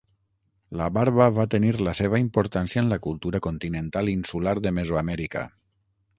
La barba va tenir la seva importància en la cultura continental insular de Mesoamèrica.